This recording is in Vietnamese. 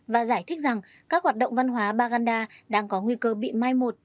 và giải thích rằng các hoạt động văn hóa baganda đang có nguy cơ bị mai một